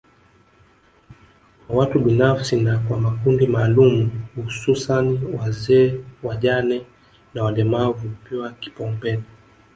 kwa watu binafsi na kwa makundi maalumu hususani wazee wajane na walemavu hupewa kipaumbele